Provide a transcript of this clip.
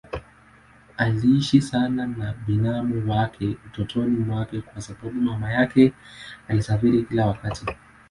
Aliishi sana na binamu yake utotoni mwake kwa sababu mama yake alisafiri kila wakati.